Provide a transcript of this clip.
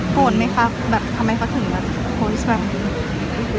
โกรธไหมคะแล้วทำไมก็ถึงเหลือคริส